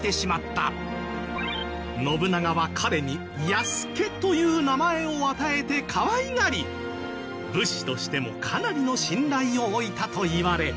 信長は彼に「弥助」という名前を与えてかわいがり武士としてもかなりの信頼をおいたといわれ。